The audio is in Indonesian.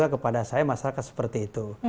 kepada saya masyarakat seperti itu